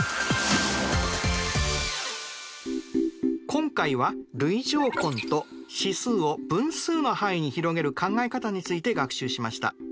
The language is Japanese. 今回は累乗根と指数を分数の範囲に広げる考え方について学習しました。